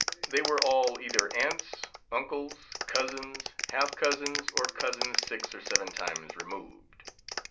They were all either aunts, uncles, cousins, half cousins, or cousins six or seven times removed.